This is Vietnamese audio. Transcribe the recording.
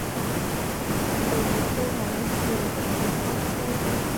Từ một cô gái bình thường vất vả bon chen